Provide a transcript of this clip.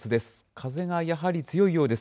風がやはり強いようです。